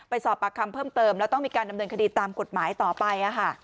สอบปากคำเพิ่มเติมแล้วต้องมีการดำเนินคดีตามกฎหมายต่อไป